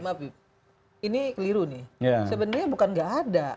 sebenarnya bukan nggak ada